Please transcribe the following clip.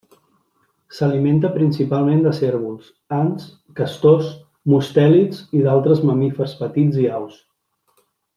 S'alimenta principalment de cérvols, ants, castors, mustèlids i d'altres mamífers petits i aus.